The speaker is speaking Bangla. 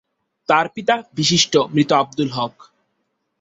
তার পিতা বিশিষ্ট মৃত আবদুল হক।